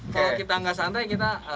kalau kita nggak santai kita